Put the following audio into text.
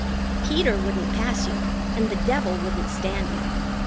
Peter wouldn't pass you, and the devil wouldn't stand you.